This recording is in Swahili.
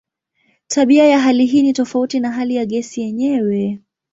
Tabia ya hali hii ni tofauti na hali ya gesi yenyewe.